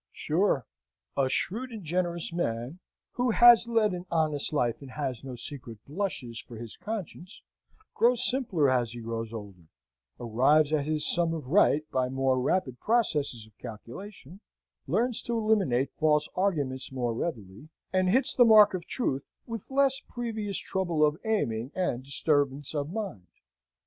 Sure, a shrewd and generous man (who has led an honest life and has no secret blushes for his conscience) grows simpler as he grows older; arrives at his sum of right by more rapid processes of calculation; learns to eliminate false arguments more readily, and hits the mark of truth with less previous trouble of aiming, and disturbance of mind.